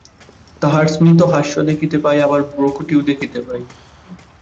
তাঁহার স্মিত হাস্য দেখিতে পাই, আবার ভ্রূকুটিও দেখিতে পাই।